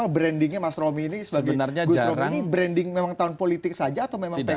brandingnya mas romy ini sebagai gus rom ini branding memang tahun politik saja atau memang pegang